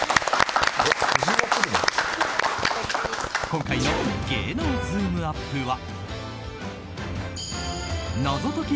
今回の芸能ズームＵＰ！は謎解き